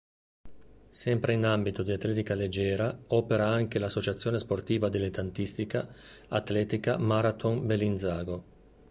Sempre in ambito di atletica leggera opera anche l"'Associazione Sportiva Dilettantistica Atletica Marathon Bellinzago".